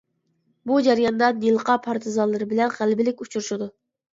بۇ جەرياندا نىلقا پارتىزانلىرى بىلەن غەلىبىلىك ئۇچرىشىدۇ.